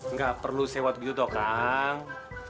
nggak perlu sewot gitu toh kang